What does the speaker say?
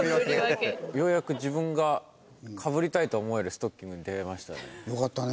ようやく自分がかぶりたいと思えるストッキングに出会えましたね。